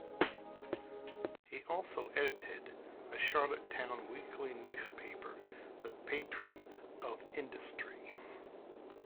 He also edited a Charlottetown weekly newspaper "The Patron of Industry".